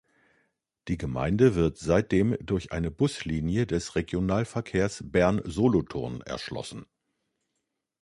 Die Gemeinde wird seitdem durch eine Buslinie des Regionalverkehr Bern–Solothurn erschlossen.